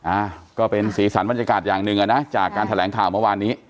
อ่าก็เป็นสีสันบรรยากาศอย่างหนึ่งอ่ะนะจากการแถลงข่าวเมื่อวานนี้